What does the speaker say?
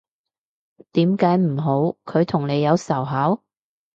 點解唔好，佢同你有仇口？